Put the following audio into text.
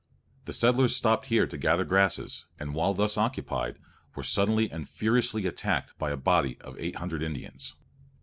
The settlers stopped here to gather grasses, and while thus occupied, were suddenly and furiously attacked by a body of eight hundred Indians.